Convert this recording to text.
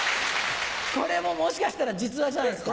これももしかしたら実話じゃないですか？